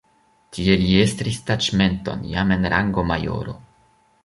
Tie li estris taĉmenton jam en rango majoro.